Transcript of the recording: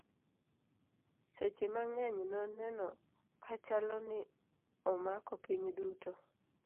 sechhe mang'eny noneno kachalo ni omako piny duto